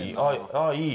あっいい。